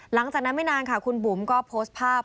หลังจากนั้นไม่นานค่ะคุณบุ๋มก็โพสต์ภาพ